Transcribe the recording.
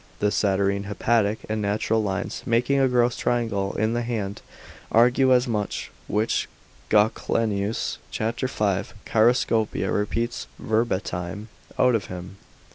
The saturnine, hepatic, and natural lines, making a gross triangle in the hand, argue as much; which Goclenius, cap. 5. Chiros. repeats verbatim out of him.